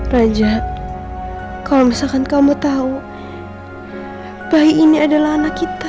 raja kalau misalkan kamu tahu bayi ini adalah anak kita